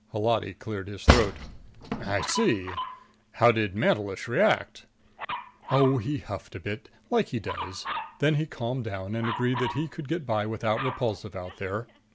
Holati cleared his throat. "I see! How did Mantelish react?" "Oh, he huffed a bit. Like he does. Then he calmed down and agreed he could get by without Repulsive out there.